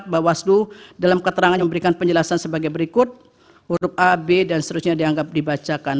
bawaslu dalam keterangan memberikan penjelasan sebagai berikut huruf a b dan seterusnya dianggap dibacakan